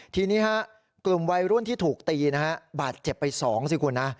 ทีนี้กลุ่มวัยรุ่นที่ถูกตีนะฮะบาดเจ็บไป๒สิคุณนะ